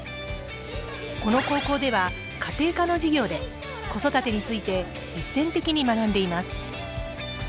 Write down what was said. この高校では家庭科の授業で子育てについて実践的に学んでいます。